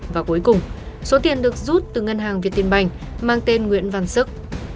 và cuối cùng số tiền được rút từ ngân hàng việt tiên banh mang tên nguyễn văn sức